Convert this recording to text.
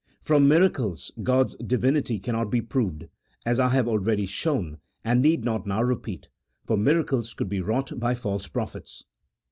From miracles God' s divinity cannot be proved, as I have already shown, and need not. now repeat, for miracles could be wrought by false prophets.